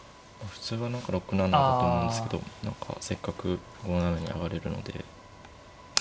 普通は何か６七だと思うんですけど何かせっかく５七に上がれるので。